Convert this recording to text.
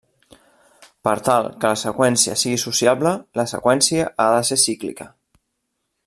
Per tal que la seqüència sigui sociable, la seqüència ha de ser cíclica.